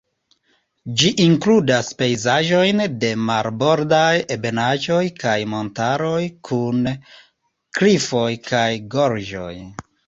Ĝi inkludas pejzaĝojn de marbordaj ebenaĵoj kaj montaroj kun klifoj kaj gorĝoj.